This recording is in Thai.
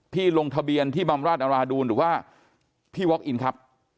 ลงทะเบียนที่บำราชอราดูลหรือว่าพี่วอคอินครับ